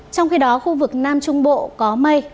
trong khi đó khu vực nam trung bộ có mây